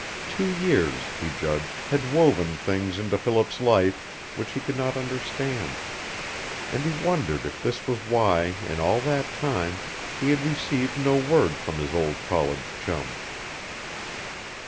Two years, he judged, had woven things into Philip's life which he could not understand, and he wondered if this was why in all that time he had received no word from his old college chum.